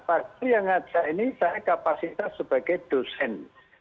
pak yang ada ini saya kapasitas sebagai dosen